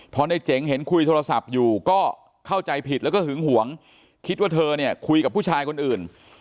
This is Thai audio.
พอในเจ๋งเห็นคุยโทรศัพท์อยู่ก็เข้าใจผิดแล้วก็หึงหวงคิดว่าเธอเนี่ยคุยกับผู้ชายคนอื่น